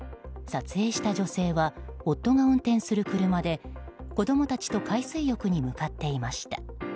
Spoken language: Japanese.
撮影した女性は夫が運転する車で子供たちと海水浴に向かっていました。